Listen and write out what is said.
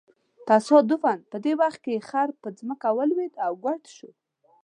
تصادفاً په دې وخت کې یې خر په ځمکه ولویېد او ګوډ شو.